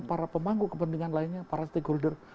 para pemangku kepentingan lainnya para stakeholder